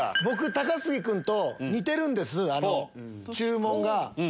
僕高杉君と似てるんです注文が。